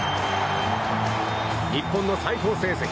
日本の最高成績